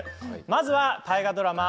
まずは大河ドラマ